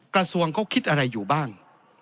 กระทรวงเขาคิดอะไรอยู่บ้าง